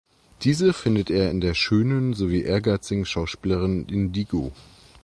Diese findet er in der schönen sowie ehrgeizigen Schauspielerin Indigo.